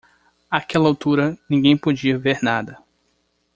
Àquela altura, ninguém podia ver nada